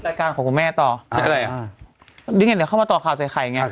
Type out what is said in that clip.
อย่างนี้แค่เขามาต่อข่าวใส่ไข่ไง